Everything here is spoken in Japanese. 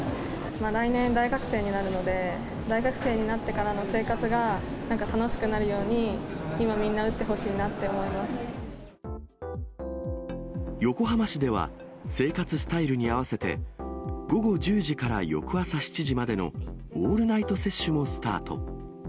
来年、大学生になるので、大学生になってからの生活がなんか楽しくなるように、今、みんな横浜市では、生活スタイルに合わせて、午後１０時から翌朝７時までのオールナイト接種もスタート。